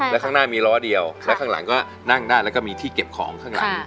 แล้วข้างหน้ามีล้อเดียวแล้วข้างหลังก็นั่งได้แล้วก็มีที่เก็บของข้างหลัง